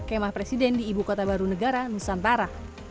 kemah presiden di ibu kota baru negara nusantara